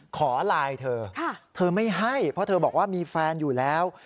ขอไลน์เธอเธอไม่ให้เพราะเธอบอกว่ามีแฟนอยู่แล้ว